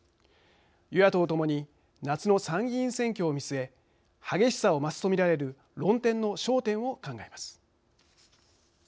与野党ともに夏の参議院選挙を見据え激しさを増すとみられる論点の焦点を考えます。